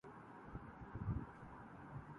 سہمے سہمے ہاتھوں نے اک کتاب پھر کھولی